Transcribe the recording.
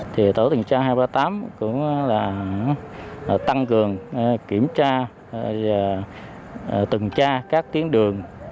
thì tổ tuần tra hai trăm ba mươi tám cũng là tăng cường kiểm tra và từng tra các tiến đường